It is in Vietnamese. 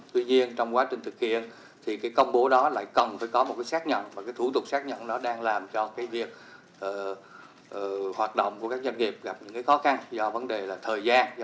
tuy nhiên trong quá trình thực hiện thì cái công bố đó lại cần phải có một cái xác nhận và cái thủ tục xác nhận nó đang làm cho cái việc hoạt động của các doanh nghiệp gặp những cái khó khăn do vấn đề là thời gian